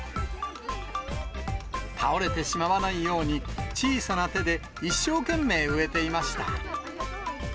倒れてしまわないように、小さな手で一生懸命植えていました。